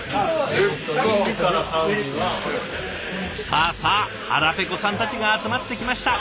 さあさあ腹ペコさんたちが集まってきました。